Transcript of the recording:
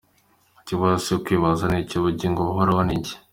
Ikibazo cyo kwibaza ni iki: ubugingo buhoraho ni iki?.